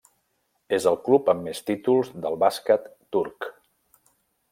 És el club amb més títols del bàsquet turc.